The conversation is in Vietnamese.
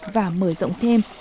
và mở rộng thêm